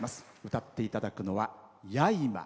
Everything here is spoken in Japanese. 歌っていただくのは「やいま」。